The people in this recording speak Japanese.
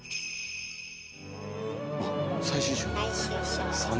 あっ最終章が。